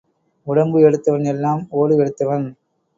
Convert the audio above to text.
உடம்பு எடுத்தவன் எல்லாம் ஓடு எடுத்தவன்.